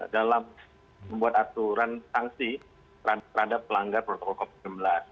dalam membuat aturan sanksi terhadap pelanggar protokol covid sembilan belas